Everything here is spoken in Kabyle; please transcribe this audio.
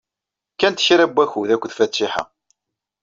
Kkant kra n wakud akked Fatiḥa.